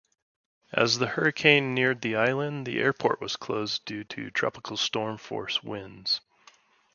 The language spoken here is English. As the hurricane neared the island, the airport was closed due to tropical-storm-force winds.